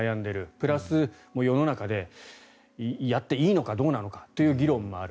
プラス、世の中でやっていいのかどうなのかという議論もある。